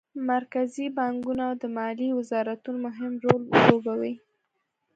مرکزي بانکونه او د مالیې وزارتونه مهم رول لوبوي